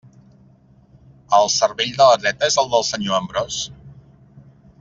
El cervell de la dreta és el del senyor Ambròs?